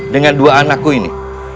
dengan dua anakku ini